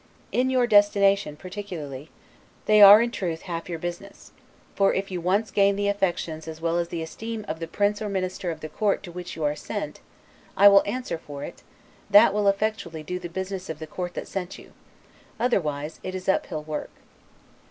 In your destination particularly, they are in truth half your business: for, if you once gain the affections as well as the esteem of the prince or minister of the court to which you are sent, I will answer for it, that will effectually do the business of the court that sent you; otherwise it is up hill work.